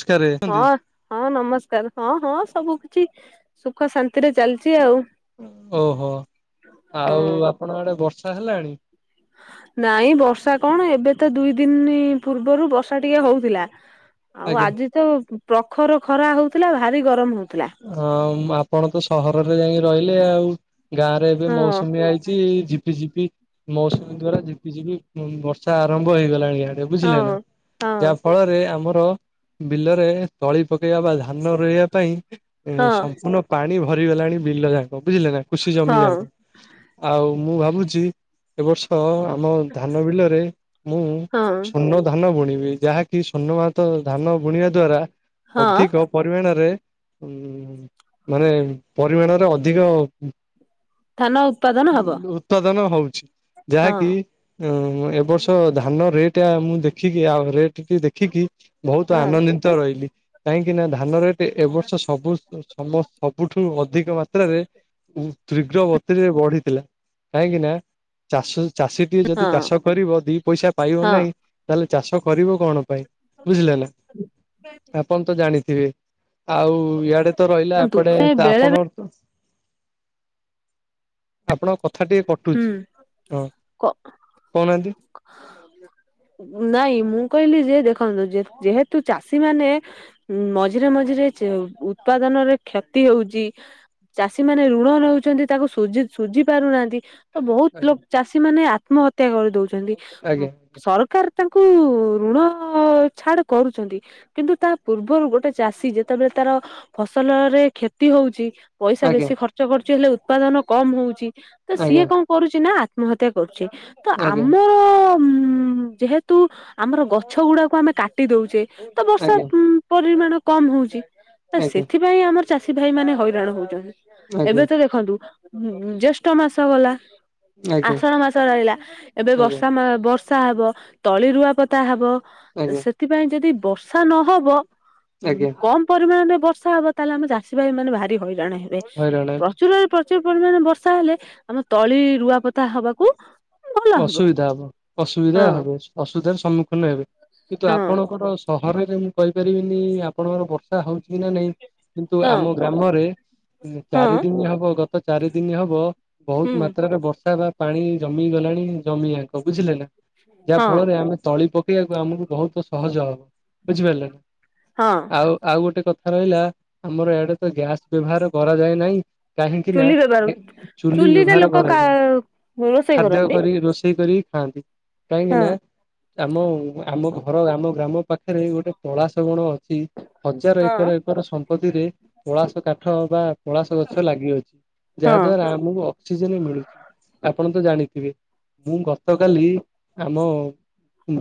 ନମସ୍କାରେ ହଁ, ହଁ ନମସ୍କାର, ହଁ ହଁ, ସବୁ କିଛି ସୁଖ ଶାନ୍ତି ରେ ଚାଲିଛି ଆଉ। ଓହୋ, ହଁ। ଆଉ ଆପଣ ଆଡେ ବର୍ଷା ହେଲାଣି? ନାଇଁ, ବର୍ଷା କଣ? ଏବେ ତ ଦୁଇ ଦିନି ପୂର୍ବରୁ ବର୍ଷା ଟିକେ ହଉଥିଲା। ଆଉ ଆଜ୍ଞା ଆଜି ତ, ପ୍ରଖର ଖରା ହଉଥିଲା, ଭାରି ଗରମ ହଉଥିଲା। ହଁ, ଆପଣ ତ ସହରରେ ଯାଇକି ରହିଲେ ଆଉ, ଗାଁ ରେ ଏବେ ହଁ ହଁ। ମୌସୁମୀ ଆଇଚି, ଝି ପିଝିପି ମୌସୁମୀ ଦ୍ଵାରା ଝିପିଝିପି ବର୍ଷା ଆରମ୍ଭ ହେଇଗଲାଣି, ଆ ଡେ ବୁଝିଲେ ନା, ହଁ ଯାହା ଫଳରେ ଆମର ବିଲରେ ତଳି ପକେଇବା ବା ଧାନ ରୋଇବା ପାଇଁ ଏ ହଁ ସମ୍ପୂର୍ଣ୍ଣ ପାଣି ଭରିଗଲାଣି ବିଲ ଯାକ, ବୁଝିଲେ ନା, କୃଷି ଜମି ହଁ ଯାକ। ଆଉ, ମୁଁ ଭାବୁଛି ଏ ବର୍ଷ ଆମ ଧାନ ବିଲରେ ମୁଁ ହଁ ସୁନ ଧାନ ବୁଣିବି, ଯାହାକି ସୋର୍ଣ୍ଣମାତ ଧାନ ବୁଣିବା ଦ୍ଵାରା ହଁ ଅଧିକ ପରିମାଣରେ ହୁଁ, ମାନେ ପରିମାଣରେ ଅଧିକ ଧାନ ଉତ୍ପାଦନ ହବ ଉତ୍ପାଦନ ହଉଛି, ଯାହାକି ହଁ। ଏ ବର୍ଷ ଧାନ ରେଟ୍ ଆ-ମୁଁ ଦେଖିକି, ଆଉ ରେ ଟିକେ ଦେଖିକି ବହୁତ ହଁ ଆନନ୍ଦିତ ରହିଲି, କାହିଁକିନା ଧାନ ରେଟ ଛ ସବୁ ସମ ସବୁଠୁ ଅଧିକ ମାତ୍ରାରେ ତୀଘ୍ର ଗତିରେ ବଢିଥିଲା, କାହିଁକି ନା ଚାଷ ଚାଷୀଟିଏ ଯଦି ହଁ ଚାଷ କରିବ, ଦି ପଇସା ପାଇବ ହଁ ନାହିଁ ତାହେଲେ ଚାଷ କରିବ କଣ ପାଇଁ? ବୁଝିଲେ ନା, ଆପଣ ତ ଜାଣିଥିବେ। ଆଉ ଇଆଡେ ତ ରହିଲା କୁହନ୍ତୁ ଏପଟେ, ବେଳେ ତ ବେଳେ ଆପଣ ଆପଣଙ୍କ କଥା ଟିକେ କଟୁଛି। ହୁଁ। ହଁ, କହୁନାହାନ୍ତି? ନାଇଁ ମୁଁ କହିଲି ଯେ ଦେଖନ୍ତୁ ଯେ ଯେହେତୁ ଚାଷୀ ମାନେ ମଝିରେ ମଝିରେ ଚ ଉତ୍ପାଦନରେ କ୍ଷତି ହଉଛି ଚାଷୀ ମାନେ ଋଣ ନଉଛନ୍ତି ତାକୁ ସୁଝି ସୁଝି ପାରୁନାହାନ୍ତି। ତ ବହୁତ ଲୋ ଆଜ୍ଞା। ଚାଷୀ ମାନେ ଆତ୍ମହତ୍ୟା କରିଦଉଛନ୍ତି ଆଜ୍ଞା ସର କାର ତାଙ୍କୁ ଋଣ ଛାଡ୍ କରୁଛନ୍ତି। କିନ୍ତୁ ତା ପୂର୍ବରୁ ଗୋଟେ ଚାଷୀ ଯେତେବେଳେ ତାର ଫସଲରେ କ୍ଷତି ହଉଛି ପଇସା ଆଜ୍ଞା ବେଶୀ ଖର୍ଚ୍ଚ କରୁଛି ହେଲେ ଉତ୍ପାଦନ କମ ହଉଛି ତ ଆଜ୍ଞା ସିଏ କଣ କରୁଛି ନା ଆତ୍ମହତ୍ୟା କରୁଛି। ତ ଆଜ୍ଞା। ଆମର ଯେହେତୁ ଆମର ଗଛ ଗୁଡାକୁ ଆମେ କାଟି ଦଉଛେ ତ ବର୍ଷା ଆଜ୍ଞା ଉ ପରିମାଣ କମ ହଉଛି ତ ଆଜ୍ଞା ସେଥିପାଇଁ ଆମର ଚାଷୀ ଭାଇମାନେ ହଇରାଣ ହଉଚନ୍ ଆଜ୍ଞା ଏବେ ତ ଦେଖନ୍ତୁ ଜ୍ୟେଷ୍ଠ ମାସ ଗଲା। ଆଜ୍ଞା ଆଜ୍ଞା ଆଷାଢ ମାସ ରହିଲା, ଏବେ ବର୍ଷା ମା ବର୍ଷା ହବ ତଳି ରୁଆ ପୋ ତା ହବ, ଆଜ୍ଞା ସେଥିପାଇଁ ଯଦି ବର୍ଷା ନହବ ଉ ଆଜ୍ଞା କମ ପରିମାଣରେ ବର୍ଷା ହବ, ତାହେଲେ ଆମ ଚାଷୀ ଭାଇ ମାନେ ଭାରି ହଇରାଣ ହେବେ। ହଇରାଣ ହେବେ, ପ୍ରଚୁର ପ୍ରଚୁର ପରିମାଣ ବର୍ଷା ହେଲେ, ଆମ ତଳି ରୁଆପତା ହବାକୁ ଅସୁବିଧା ହବ ଅସୁବିଧା ହଁ ହବ ଅସୁବିଧାର ସମ୍ମୁଖୀନ ହେବେ। କିନ୍ତୁ ହଁ ଆପଣଙ୍କର ସହରରେ ମୁଁ କହିପାରିବିନି ଆପଣଙ୍କର ବର୍ଷା ହଉଛି କି ନା ନାଇଁ। କିନ୍ତୁ ହଁ ଆମ ଗ୍ରାମରେ ଉଁ ଚାରି ହଁ ଦିନ ହବ ଗତ ଚାରି ଦିନ ହବ ହୁଁ ବହୁତ ମାତ୍ରାରେ ବର୍ଷା ବା ପାଣି ଜମି ଗଲାଣି ଜମିଜାଙ୍କ ବୁଝିଲେ ନା, ଯାହା ହଁ ଫଳରେ ଆମେ ତଳି ପ କେଇବାକୁ ଆମକୁ ବହୁତ ସହଜ ହବ ବୁଝିପାରିଲେ ନା। ହଁ। ଆଉ ଆଉ ଗୋଟେ କଥା ରହିଲା, ଆମର ଇଆଡେ ତ ଗ୍ୟାସ ବ୍ୟବହାର କରାଯାଏ ନାହିଁ। କାହିଁକି ନା ଚୁଲି ବ୍ୟବହାର ଏ ଚୁଲି ଚୁଲିରେ ବ୍ୟବହାର ଲୋକ କା କରାଯାଏ। ରୋଷେଇ ଖାଦ୍ୟ କରନ୍ତି କରି ରୋଷେଇ କରିକି ଖାଆନ୍ତି କାହିଁକି ହଁ ନା ଆମ ଆମ ଘର ଆମ ଗ୍ରାମ ପାଖରେ ଗୋଟେ ପଳାଶ ବଣ ଅଛି। ହଜାର ହଁ ଏକର ଏକର ସମ୍ପତ୍ତିରେ ପଳାସ କାଠ ବା ପଳାସ ଗଛ ଲାଗି ରହିଛି। ଯାହା ହଁ ଦ୍ଵାରା ଆମକୁ ଅକ୍ସିଜେନ ମିଳୁଛି ଆପଣ ତ ଜାଣିଥିବେ। ମୁଁ ଗତ କାଲି ଆମ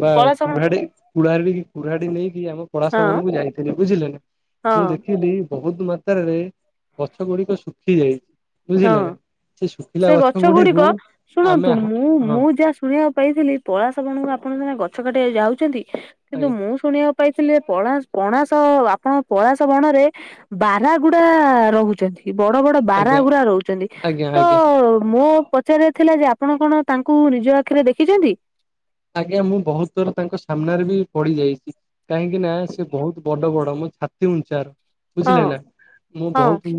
ବା କଳସ କୁରାଢି କୁଢରି କୁୁରାଡି ନେଇକି ଆମ ପଳାଶ ହଁ ବଣକୁ ଯାଇଥିଲି ବୁଝିଲେ ନା। ହଁ ମୁଁ ଦେଖିଲି ବହୁତ ମାତ୍ରାରେ ଗଛ ଗୁଡିକ ଶୁଖି ଯାଇଛି। ହଁ ବୁଝିଲେ ନା। ଶୁଖିଲା ସେ ଗଛ ଗୁଡିକ ଗୁଡିକୁ ଆମେ ଶୁଣନ୍ତୁ ହା ମୁଁ ହଁ ମୁଁ ଯାହା ଶୁଣିବାକୁ ପାଇଥିଲି, ପଳାସବଣଙ୍କୁ ଆପଣ ଯୋଉମାନେ ଗଛ କାଟିବାକୁ ଯାଉଛନ୍ତି। କିନ୍ତୁ ଆଜ୍ଞା ମୁଁ ଶୁଣିବାକୁ ପାଇଥିଲେ ପଳା ପଣାସ ଆପଣ ପଳାସ ବଣରେ ବାରହା ଗୁଡା ରହୁଛନ୍ତି ବଡ ବଡ ରା ଆଜ୍ଞା ଗୁଡା ରହୁଛନ୍ତି ଆଜ୍ଞା ତ ଆଜ୍ଞା ମୋ ପଚାରିବାର ଥିଲା ଯେ, ଆପଣ କଣ ତାଙ୍କୁ ନିଜ ଆଖିରେ ଦେଖିଛନ୍ତି। ଆଜ୍ଞା ମୁଁ ବହୁତ ଥର ତାଙ୍କ ସାମ୍ନାରେ ବି ପଡି ଯାଇଛି। କାହିଁକି ନା ସେ ବହୁତ ବଡ ବଡ ମୋ ଛାତି ଉଞ୍ଚାର। ହଁ ବୁଝିଲେ ନା ମୁଁ ହଁ ବହୁତ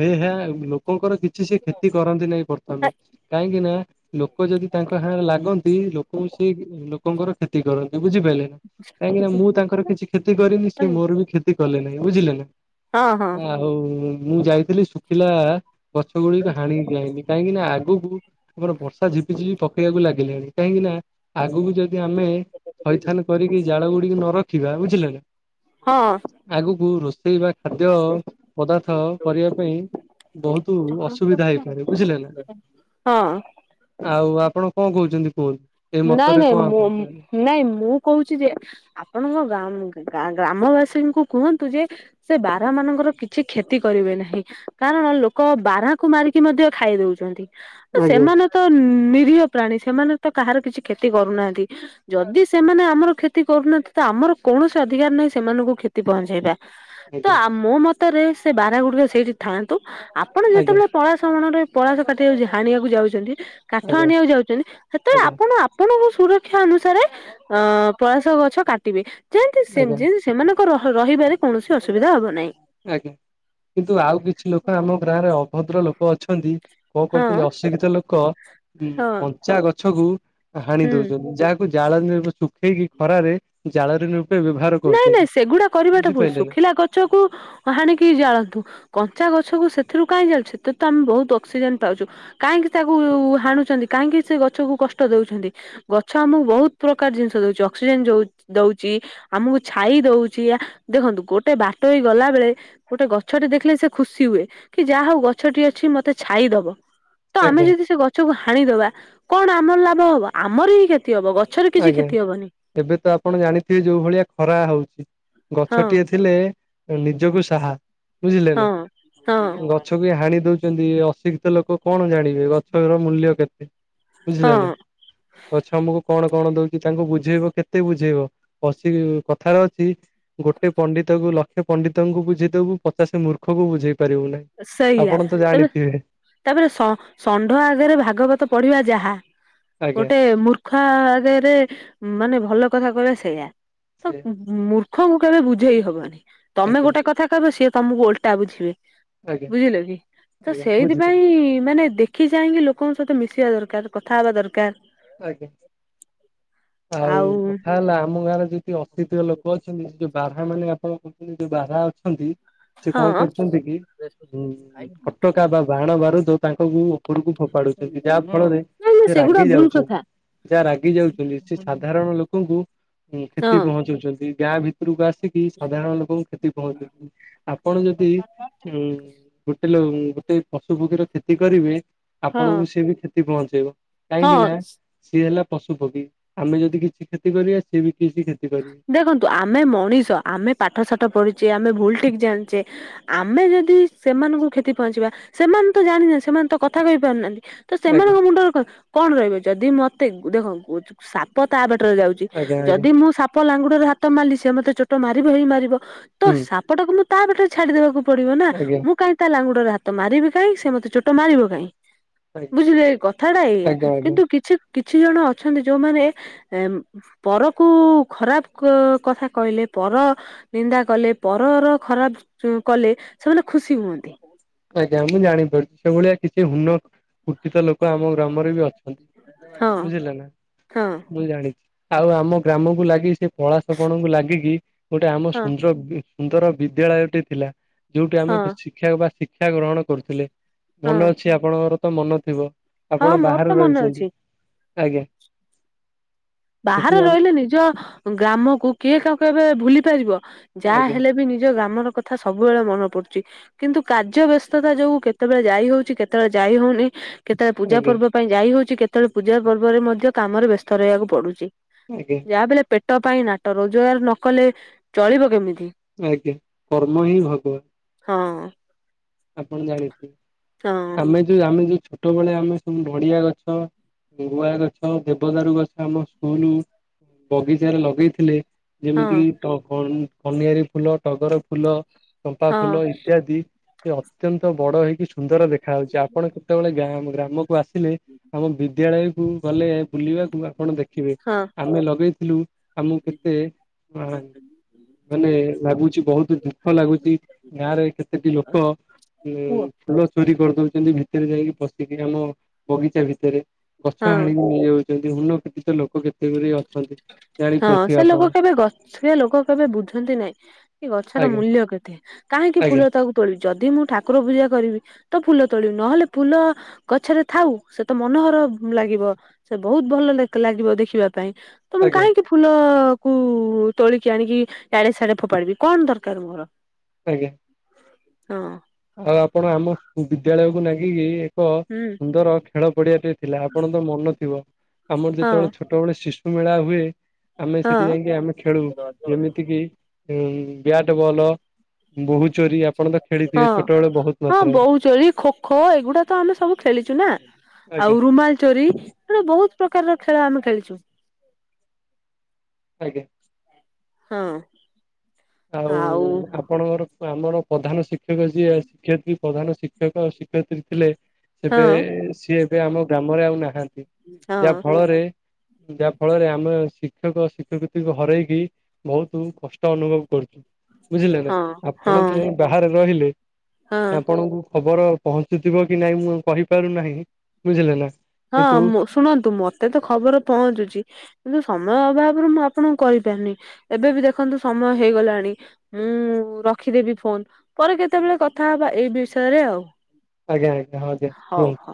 ହେ ହା ଲୋକଙ୍କର କି କିଚି ସେ କ୍ଷତି କରନ୍ତି ନାହିଁ ପ୍ରଥମେ। କାହିଁକି ନା ଲୋକ ଯଦି ତାଙ୍କ ହାଁଙ୍ଗରେ ଲାଗନ୍ତି କୁ ସେଇ ଲୋ ଲୋକଙ୍କର କ୍ଷତି କରନ୍ତି ବୁଝିପାରିଲ ନା। କାହିଁକିନା ମୁଁ ତାଙ୍କର କିଛି କ୍ଷତି କରିନି ସିଏ ମୋର ବି କ୍ଷ ତି କଲେ ନାଇ ବୁଝିଲେ ନା। ହଁ ହଁ। ଆଉ ମୁଁ ଯାଇଥିଲି ଶୁଖିଲା ଗଛ ଗୁଡିକ ହାଣି ଯାଇନି। କାହିଁକି ନା, ଆଗକୁ ଆମର ବର୍ଷା ଝିପିଝିପି ପକେଇବାକୁ ଲାଗିଲାଣି। କାହିଁକି ନା ଆଗକୁ ଯଦି ଆମେ ଥଇଥାନ କରିକି ଜାଳ ଗୁଡିକି ନ ରଖିବା ବୁଝିଲ ନା। ହଁ। ଆଗକୁ ରୋଷେଇ ବା ଖାଦ୍ୟ ପଦାର୍ଥ କରିବା ପାଇଁ। ବହୁତ ଅସୁବିଧା ହେଇପାରେ ବୁଝିଲେ ନା। ହଁ। ଆଉ ଆପଣ କଣ କହୁଛନ୍ତି କୁହ? ନାଇଁ ନାଇଁ ମୋ ନାଇଁ ମୁଁ କହୁଛି ଯେ ଆପଣଙ୍କ ଗା ଗ ଗ୍ରାମବାସୀଙ୍କୁ କୁହନ୍ତୁ ଯେ ସେ ବାରହା ମାନଙ୍କର କିଛି କ୍ଷତି କରିବେ ନାହିଁ। କାରଣ ଲୋକ ବାରାକୁ ମାରିକି ମଧ୍ୟ ଖାଇ ଦଉଛନ୍ତି। ଆଜ୍ଞା। ସେମାନେ ତ ନିରୀହ ପ୍ରାଣୀ ସେମାନେ ତ କାହାର କିଛି କ୍ଷତି କରୁନାହାନ୍ତି। ଯଦି ସେମାନେ ଆମର କ୍ଷତି କରୁନାହାନ୍ତି। ତ ଆମର କୌଣସି ଅଧିକାର ନାହିଁ ସେମାନଙ୍କୁ କ୍ଷତି ପହଞ୍ଚେଇବା। ତ ମୋ ମତରେ ସେ ବାରହା ଗୁଡିକ ସେଇଠି ଥାଆନ୍ତୁ। ଆ ଆପଣ ଆଜ୍ଞା ଯେତେବେଳେ ପଳାଶ ମଣରେ ପଳାସ କାଟି ଯାଉ ହାଣିବାକୁ ଯାଉଛନ୍ତି କାଠ ଆଜ୍ଞା ଆଜ୍ଞା ହାଣିବାକୁ ଯାଉଛନ୍ତି। ତ ଆଜ୍ଞା ଆପଣ ଆପଣଙ୍କୁ ସୁରକ୍ଷା ଅନୁସାରେ ଅ ପଳାସ ଗଛ କାଟିବେ। ଯେମତି ଆଜ୍ଞା ଯେମତି ସେମାନଙ୍କ ରହିବାରେ କୌଣସି ଅସୁବିଧା ହବ ନାହିଁ। ଆଜ୍ଞା କିନ୍ତୁ ଆଉ କିଛି ଲୋକ ଆମ ଗାଁରେ ଅଭଦ୍ର ଲୋକ ଅଛନ୍ତି। କଣ ହଁ କରୁଛନ୍ତି ଅଶିକ୍ଷିତ ଲୋକ ଉ ହଁ କଞ୍ଚା ଗଛ କୁ ହାଣି ହୁଁ। ଦଉଛନ୍ତି ଯାହା ଜାଳ ଶୁଖେଇକି ଖରାରେ ଜାଳରେ ନାଇଁ ନାଇଁ ସେଗୁଡା କରିବାଟା ଭୁଲ ନା ଶୁଖିଲା ଗଛକୁ ହାଣିକି ଜାଳନ୍ତୁ। କଞ୍ଚା ଗଛକୁ ସେଥିରୁ କାହିଁ ଯାଉଛ ସେଥିରେ ତ ଆମେ ବହୁତ ଅକ୍ସିଜେନ ପାଉଛୁ। କାହିଁକି ତାକୁ ହାଣୁଛନ୍ତି କାହିଁକି ସେ ଗଛକୁ କଷ୍ଟ ଦଉଛନ୍ତି। ଗଛ ଆମକୁ ବହୁତ ପ୍ରକାର ଜିନିଷ ଦଉଛି ଅକ୍ସିଜେନ ଯଉଛି। ଦଉଛି ଆମକୁ ଛାଇ ଦଉଛି ଦେଖନ୍ତୁ ଗୋଟେ ବାଟ ହେଇ ଗଲା ବେଳେ ଗୋଟେ ଗଛଟି ଦେଖିଲେ ସେ ଖୁସି ହୁଏ କି ଯାହା ହଉ ଗଛଟି ଅଛି ମତେ ଛାଇଦବ। ତ ଆମେ ଆଜ୍ଞା ଯଦି ସେ ଗଛକୁ ହାଣିଦବା କଣ ଆମର ଲାଭ ହବ ଆମର ହିଁ କ୍ଷତି ହବ ଗଛ। ଗଛରେ କିଛି ଆଜ୍ଞା। କ୍ଷତି ହବନି ଏବେ ତ ଆପଣ ଜାଣିଥିବେ ଯୋଉ ଭଳିଆ ଖରା ହଉଛି ହଁ ଗଛଟିଏ। ଥିଲେ ନିଜକୁ ସାହା ବୁଝିଲେ ହଁ ନା। ହଁ ଗଛକୁ ହାଣି ଦଉଛନ୍ତି ଅଶିକ୍ଷିତ ଲୋକ କଣ ଜାଣିବେ ଗଛର ମୂଲ୍ୟ କେତେ? ବୁଝିଲେ ହଁ। ନା ପଛମକୁ। କଣ କଣ ଦଉଛିି ତାଙ୍କୁ ବୁଝେଇବ କେତେ ବୁଝେଇବ ଅ କଥାର ଅଛି। ଗୋଟେ ପଣ୍ଡିତ କୁ ଲକ୍ଷ ପଣ୍ଡିତଙ୍କୁ ବୁଝେଇଦବୁ ପଚାଶ ମୂର୍ଖକୁ ବୁଝେଇ ପାରିବୁ ନାହିଁ। ସେଇଆ ଆପଣ ତ ତେବେ ଜାଣିଥିବେ। ତାପରେ ଷଣ୍ଢ ଆଗରେ ଭାଗବତ ପଢିବା ଯାହା ଆଜ୍ଞା ଗୋଟେ ମୂର୍ଖ ଖ ଆଗରେ ମାନେ ଭଲ କଥା କହିବା ସେଇୟା ତ ମୂର୍ଖଙ୍କୁ କେବେ ବୁଝେଇ ହବନି ତମେ ଆଜ୍ଞା ଗୋଟେ କଥା କହିବ ସିଏ ତମକୁ ଓଲଟା ବୁଝିବେ। ଆଜ୍ଞା ବୁଝିଲ କି ତ ଆଜ୍ଞା ବୁଝିଲି ସେଇଥିପାଇଁ ମାନେ ଦେଖ। ଆଖି ଯାଇକି ଲୋକଙ୍କ ସହିତ ମିଶିବା ଦରକାର କଥା ହବା ଦରକାର। ଆଜ୍ଞା ଆଉ କଥା ହେଲା ଆମ ଗାଁରେ ଯ ଅସ୍ତି ଲୋକ ଅଛନ୍ତି ଯୋଉ ବାରା ମାନେ ଆପଣ କହୁଛନ୍ତି ଯୋଉ ବାରା ଅଛନ୍ତି। ସେ ହଁ କଣ କରୁଛନ୍ତି କି ଉଁ ଫଟକା ବା ବାହାଣ ବାରୁଦୋଉ ତାଙ୍କ। ଉପରକୁ ଫୋପାଡୁଛନ୍ତି ଯାହା ଫଳରେ ନାଇଁ ନାଇଁ ସେ ସେଗୁଡା ରାଗି ଭୁଲ ଯାଉଛନ୍ତି। କଥା ଯାହା ରାଗି ଯାଉଛନ୍ତି ସେ ସାଧାରଣ ଲୋକଙ୍କୁ ହଁ କ୍ଷତି ପହଞ୍ଚାଉଛନ୍ତି ଗାଁ ଭିତ ପରକୁ ଆସିକି ସାଧାରଣ ଲୋକଙ୍କୁ କ୍ଷତି ପହଞ୍ଚୁଛନ୍ତି ଆପଣ ଯଦି ଉଁ ହେଲେ ଗୋଟେ ପଶୁ ପକ୍ଷୀର କ୍ଷତି କରିବେ ହଁ ଆପଣଙ୍କୁ ସେ ବି କ୍ଷତି ପହଞ୍ଚେଇବ। କାହିଁକି ନା ହଁ ସିଏ ହେଲା ପଶୁ ପକ୍ଷୀ ଆମେ ଯଦି କିଛି କ୍ଷତି କରିବା ସିଏ ବି କିଛି କ୍ଷତି କରିବେ। ଦେଖନ୍ତୁ ଆମେ ମଣିଷ ଆମେ ପାଠ ସାଠ ପଢୁଛେ ଆମେ ଭୁଲ ଠିକ ଜାଣିଛେ। ଆମେ ଯଦି ସେମାନଙ୍କୁ କ୍ଷତି ପହଞ୍ଚିବା ସେମାନେ ତ ଜାଣିନାହାନ୍ତି ସେମାନେ ତ କଥା କହିପାରୁନାହାନ୍ତି। ତ ଆଜ୍ଞା ସେମାନଙ୍କ ମୁଣ୍ଡରେ କଣ ରହିବ ଯଦି ମତେ ଦେଖ ସାପ ତା ବାଟରେ ଯାଉଛି। ଆଜ୍ଞା ଆଜ୍ଞା ଯଦି ମୁଁ ସାପ ଲାଙ୍ଗୁଡରେ ହାତ ମଲିି ସେ ମତେ ଚୋଟ ମାରିବ ହେଇ ମାରିବ ତ ସାପଟାକୁ ମୁ ତାପଟରେ ଛାଡିଦବାକୁ ପଡିବ ନା ଆଜ୍ଞା ମୁଁ କାଇଁ ତା ଲାୁଡରେ ହାତ ତ ମାରିବି କାଇହିଁ ସେ ମତେ ଚୋଟ ମାରିବ କାଇହିଁ ବୁଝିଲେ କଥାଟା ଏଇଆ ଆଜ୍ଞା ଆଜ୍ଞା। କିନ୍ତୁ କିଛି କିଛି ଜଣ ଅଛନ୍ତି ଯୋଉମାନେ, ଏ ପରକୁ ଖରାପ୍ କ କଥା କହିଲେ ପର। ନିନ୍ଦା କଲେ, ପରର ଖରାପ କଲେ ସେମାନେ ଖୁସି ହୁଅନ୍ତି। ଆଜ୍ଞା ମୁଁ ଜାଣିପାରୁଛି। ସେଭଳିଆ କିଛି ହୁନ କୁଠିତ ଲୋକ ଆମ ଗ୍ରାମରେ ବି ଅଛନ୍ତି। ହଁ ବୁଝିଲ ନା? ହଁ ମୁଁ ଜାଣିଛି। ଆଉ ଆମ ଗ୍ରାମକୁ ଲାଗି, ସେ ପଳାଶ କଣକୁ ଲାଗିକି ଗୋଟେ ଆମ ହଁ ସୁଂଯୋଗ, ସୁନ୍ଦର ବିଦ୍ୟାଳୟଟି ଥିଲା। ଯୋଉଠି ଆମେ ହଁ ଶିକ୍ଷା ବା ସି ଶିକ୍ଷା ଗ୍ରହଣ କରୁଥିଲେ। ହଁ ମନେ ଅଛି, ଆପଣଙ୍କର ତ ମନ ଥିବ? ହଁ ଆପଣ ମୋର ବାହାରେ ତ ମନେ ଅଛି ରହିଛନ୍ତି? ଆଜ୍ଞା। ସେଠି ବାହାରେ ଆମ ରହିଲେ ନିଜ ଗ୍ରାମକୁ କିଏ କାହକୁ କେବେ ଭୁଲି ପାରିବ। ଯାହା ଆଜ୍ଞା ହେଲେ ବି ନିଜ ଗ୍ରାମର କଥା ସବୁବେଳେ ମନେ ପଡୁଛି। କିନ୍ତୁ କାର୍ଯ୍ୟ ବ୍ୟସ୍ତତା ଯୋଗୁ କେତେବେଳେ ଯାଇ ହୋଉଛି। କେତେବେଳେ ଯାଇ ହୋଉନି। କେତେବେଳେ ଆଜ୍ଞା ପୂଜା ଆଜ୍ଞା ପର୍ବ ପାଇଁ ଯାଇ ହଉଛି। କେତେବେଳେ ପୂଜା ପର୍ବରେ ମଧ୍ୟ କାମରେ ବ୍ୟସ୍ତ ରହିବାକୁ ପଡୁଛି। ଆଜ୍ଞା। ଯାହା ବି ହେଲେ ପେଟ ପାଇଁ ନାଟ। ରୋଜଗାର ନ କଲେ ଚଳିବ କେମିତି? ଆଜ୍ଞା। କର୍ମ ହିଁ ଭଗବାନ୍। ହଁ। ଆପଣ ଜାଣି ଥିବେ ହଁ ଆମେ ଯୋଉ ଆମେ ଯୋଉ ଛୋଟବେଳେ ଆମେ ସ ନଡିଆ ଗଛ ଗୁଆ ଗଛ, ଦେବଦାରୁ ଗଛ, ଆମ ସ୍କୁଲ୍ ବଗିଚାରେ ଲଗେଇଥିଲେ। ହଁ ଯେମିତି କିି ଟ କନ- କନିଆରୀ ଫୁଲ, ଟଗର ଫୁଲ, ଚମ୍ପା ହଁ ଫୁଲ ଇତ୍ୟାଦି ସେ ଅତ୍ୟନ୍ତ ବଡ ହେଇକି ସୁନ୍ଦର ଦେଖାଯାଉଛି। ଆପଣ କେତେବେଳେ ଗା ଗ୍ରାମକୁ ଆସିଲେ ଆମ ବିଦ୍ୟାଳୟକୁ ଗଲେ ବୁଲିବାକୁ ଆପଣ ଦେଖିବେ। ହଁ ଆମେ ଲଗେଇ ଥିଲ, ଆମକୁ କେତେ ଅ ମାନେ ଲାଗୁଛି ବୋହୁତ୍ ଦୁଃଖ ଲାଗୁଛି। ଗାଁରେ କେତେଟି ଲୋକ ଲୋକ ଉଁ କୁହ ଫୁଲ ଚୋରି କରିଦଉଛନ୍ତି, ଭିତରେ ଯାଇକି ପଶିକି ଆମ ବଗିଚା ଭିତରେ। ଗଛ ହଁ। ହାଣି ନେଇଯାଉଛନ୍ତି, ଉନ ପ୍ରତିଷ୍ଠ ଲୋକ କେତେ ଗୁରେ ଅଛନ୍ତି। ହଁ ଜାଣିପାରୁଥିବେ ସେ ଆପଣ ଲୋକ କେବେ ଗ ସେ ଲୋକ କେବେ ବୁଝନ୍ତି ନାଇଁ, କି ଗଛର ଆଜ୍ଞା ମୂଲ୍ୟ କେତେ। କାହିଁକି ଆଜ୍ଞା ଫୁଲ ତାକୁ ତୋଳିବି ଯଦି ମୁଁ ଠାକୁର ପୂଜା କରିବି ତ ଫୁଲ ତୋଳିବି, ନହେଲେ ଫୁଲ ଗଛରେ ଥାଉ। ସେ ତ ମନୋହର ଲାଗିବ, ସେ ବୋହୁତ୍ ଭଲ ଲାଗିବ, ଦେଖିବା ପାଇଁ। ତମେ ଆଜ୍ଞା କାହିଁକି ଫୁଲ କୁ ତୋଳିକି ଆଣିକି ଇଆଡ଼େ ସିଆଡେ ଫୋପାଡିବି କଣ ଦରକାର ମୋର। ଆଜ୍ଞା। ହଁ। ଆଉ ଆପଣ ଆମ ବିଦ୍ୟାଳୟକୁ ନାଗିକି ଏକ ହୁଁ ସୁନ୍ଦର ଖେଳ ପଡିଆଟେ ଥିଲା। ଆପଣ ତ ମନ ଥିବ? ଆମର ହଁ ଯେତେବେଳେ ଛୋଟ ଛୁଟ ବେଳେ ଶିଶୁ ମେଳା ହୁଏ ଆମେ ହଁ ସେଠି ଯାଇକି ଆମେ ଖେଳୁ। ଯେମିତି କିି ଉଁ ବ୍ୟାଟ୍ ବଲ୍, ବୋହୁ ଚୋରି ଆପଣ ତ ଖେଳିଥିବେ? ହ, ଛୋଟବେଳେ ବହୁତ ହଁ ମାତ୍ରାରେ ବୋହୂଚୋରି, ଖୋଖୋ, ଏଗୁଡା ତ ଆମେ ସବୁ ଖେଳିଛୁ ନା। ଆଉ ରୁମାଲ୍ ଚୋରି। ସେତେବେଳେ ବୋହୁତ୍ ପ୍ରକାରର ଖେଳ ଆମେ ଖେଳିଛୁ। ଆଜ୍ଞା। ହଁ। ଆଉ ଆପଣଙ୍କର, ଆମର ପ୍ରଧାନ ଶିକ୍ଷକ ଯିଏ ଶିକ୍ଷୟତ୍ରୀ ପ୍ରଧାନ ଶିକ୍ଷକ ଶିକ୍ଷୟତ୍ରୀ ଥିଲେ ହଁ ତେବେ ସିଏ ଏବେ ଆମ ଗ୍ରାମରେ ଆଉ ନାହାନ୍ତି। ଯାହା ହଁ ଫଳରେ ଯାହା ଫଳରେ, ଆମେ ଶିକ୍ଷକ ଶିକ୍ଷୟିତ୍ରୀଙ୍କୁ ହରାଇକି ବୋହୁତୁ କଷ୍ଟ ଅନୁଭବ ବୁଝିଲେ ନା? ହଁ ଆପଣ ହଁ ତ ଯାଇ ବାହାରେ ରହିଲେ। ହଁ ଆ ଆପଣଙ୍କୁ ଖବର ପହଞ୍ଚୁଥିବ କି ନାଇଁ ମୁଁ ଆଉ କହିପାରୁ ନାହିଁ। ହଁ ଶୁଣନ୍ତୁ, ମତେ ତ ଖବର ପହଞ୍ଚୁଛି କିନ୍ତୁ ସମୟ ଅଭାବରୁ ମୁଁ ଆପଣଙ୍କୁ କହିପାରୁନି। ଏବେ ବି ଦେଖନ୍ତୁ ସମୟ ହେଇଗଲାଣି। ହୁଁ ରଖିଦେବି ଫୋନ ପରେ କେତେବେଳେ କଥା ହବା ଏଇ ବିଷୟରେ ଆଉ। ଆଜ୍ଞା ଆଜ୍ଞା ଆଜ୍ଞା ହଉଯେ ହଉ [unintelligible] ହଉ।